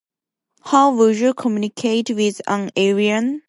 How would you communicate with an alien?